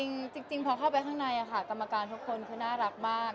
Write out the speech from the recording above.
จริงพอเข้าไปข้างในค่ะกรรมการทุกคนคือน่ารักมาก